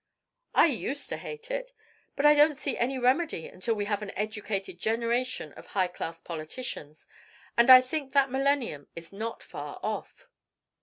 "I used to hate it, but I don't see any remedy until we have an educated generation of high class politicians, and I think that millennium is not far off.